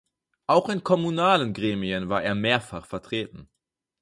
Auch in kommunalen Gremien war er mehrfach vertreten.